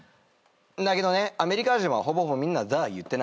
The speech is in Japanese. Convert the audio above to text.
だけどねアメリカ人はほぼほぼみんな「ｔｈｅ」言ってないんですよ。